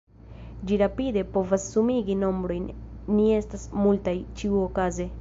Ĝi rapide povas sumigi nombrojn, ni estas multaj, ĉiuokaze.